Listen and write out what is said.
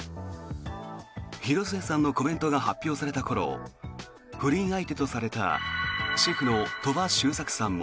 広末さんのコメントが発表された頃不倫相手とされたシェフの鳥羽周作さんも。